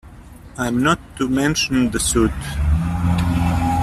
I am not to mention the suit.